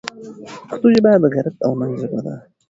پښتو ژبه د غیرت او ننګ ژبه ده.